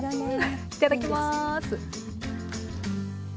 いただきます。